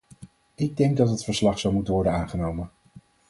Ik denk dat het verslag zou moeten worden aangenomen.